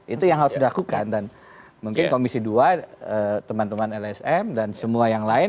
itu yang harus dilakukan dan mungkin komisi dua teman teman lsm dan semua yang lain